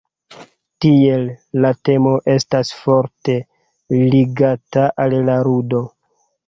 Tiel, la temo estas forte ligata al la ludo.